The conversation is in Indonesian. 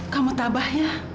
kamu tabah ya